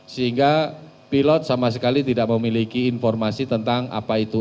sehingga pilot sama sekali tidak memiliki informasi tentang apa itu